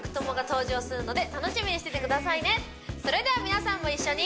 それでは皆さんも一緒に！